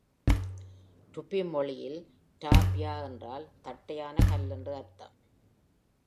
Tupi மொழியில் Itapeva என்றால் தட்டையான கல் என்று அர்த்தம்.